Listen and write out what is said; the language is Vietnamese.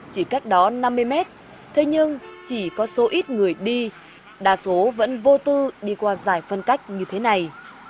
chỉ cách đó năm mươi mét thế nhưng chỉ có số ít người đi đa số vẫn vô tư đi qua dài phân cách như thế này